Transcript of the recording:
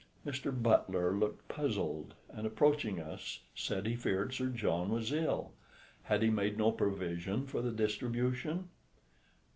Mr. Butler looked puzzled, and approaching us, said he feared Sir John was ill had he made no provision for the distribution?